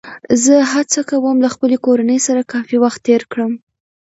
زه هڅه کوم له خپلې کورنۍ سره کافي وخت تېر کړم